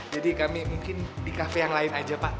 jadi kami mungkin di kafe yang lain aja pak